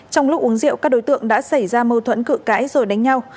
trong lúc uống rượu các đối tượng đã xảy ra mâu thuẫn cự cãi rồi đánh nhau